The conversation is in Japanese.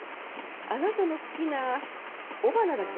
あなたの好きな「尾花」だっけ？